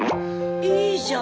いいじゃん